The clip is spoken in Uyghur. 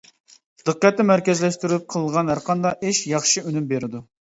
دىققەتنى مەركەزلەشتۈرۈپ قىلغان ھەرقانداق ئىش ياخشى ئۈنۈم بېرىدۇ.